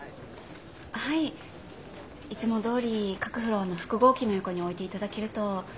はいいつもどおり各フロアの複合機の横に置いて頂けると。